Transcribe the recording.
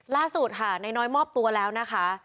ล่าสุดค่ะนายน้อยมอบตัวแล้วนะคะ